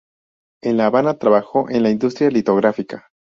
En La Habana trabajó en la industria litográfica.